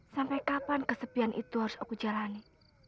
sampai kapan kesepian itu harus aku jalani